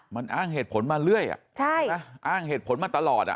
มันอ้างเหตุผลมาเรื่อยอ้างเหตุผลมาตลอด